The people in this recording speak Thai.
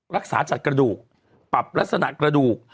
รักษาจัดกระดูกปรับลักษณะกระดูก